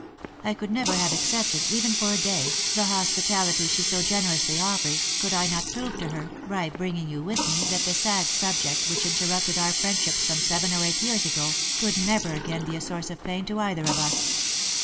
I could never have accepted, even for a day, the hospitality she so ge nerously offers, could I not prove to her, by bringing you with me, that the sad subject which interrupted our friendship some seven or eight years ago, could never again be a source of pain to either of us.